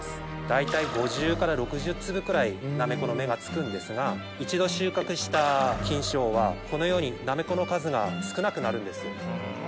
大体５０から６０粒くらいなめこの芽がつくんですが一度収穫した菌床はこのようになめこの数が少なくなるんです。